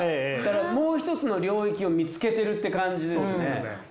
もうひとつの領域を見つけてるっていう感じですね。